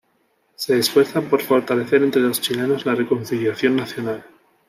Se esfuerza por fortalecer entre los chilenos la Reconciliación Nacional.